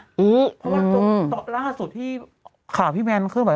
เพราะว่าตอนล่าสุดที่ข่าวพี่แมนขึ้นไป